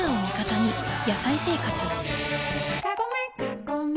「野菜生活」